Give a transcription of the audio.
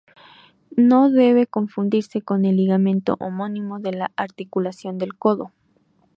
No debe confundirse con el ligamento homónimo de la articulación del codo.